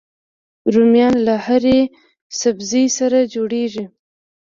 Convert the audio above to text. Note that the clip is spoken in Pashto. رومیان له هرې سبزي سره جوړيږي